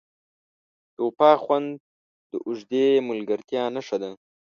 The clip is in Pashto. د وفا خوند د اوږدې ملګرتیا نښه ده.